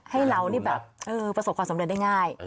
ให้เรานี่แบบประสบความสำเร็จได้ง่าย